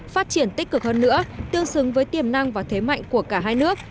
phát triển tích cực hơn nữa tương xứng với tiềm năng và thế mạnh của cả hai nước